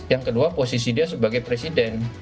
yang kedua posisi dia sebagai presiden